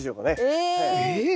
え？